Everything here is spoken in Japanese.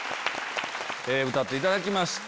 歌っていただきました。